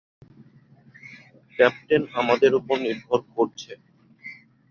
Captain আমাদের উপর নির্ভর করছে।